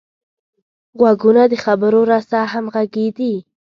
غوږونه د خبرو رسه همغږي دي